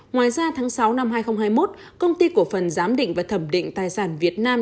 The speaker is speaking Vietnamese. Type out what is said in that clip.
ngoài ra tháng sáu năm hai nghìn hai mươi một công ty cổ phần giám định và thẩm định tài sản việt nam